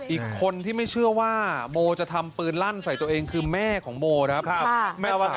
อีกคนที่ไม่เชื่อว่าโมจะทำปืนลั่นใส่ตัวเองคือแม่ของโมครับ